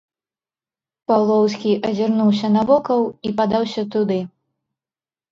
Паўлоўскі азірнуўся навокал і падаўся туды.